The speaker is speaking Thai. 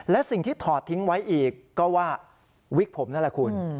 และสิ่งที่ถอดทิ้งไว้อีกก็ว่าวิกผมนั่นแหละคุณ